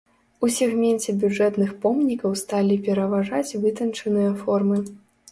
У сегменце бюджэтных помнікаў сталі пераважаць вытанчаныя формы.